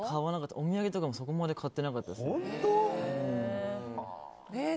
お土産とかはそこまで買ってなかったですね。